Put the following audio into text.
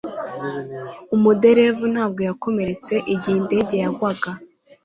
Umuderevu ntabwo yakomeretse igihe indege yagwaga